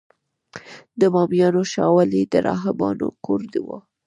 د بامیانو شاولې د راهبانو کور و